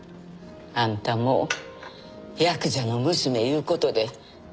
あんたもヤクザの娘いう事で。